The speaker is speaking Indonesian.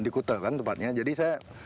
di kuta kan tepatnya jadi saya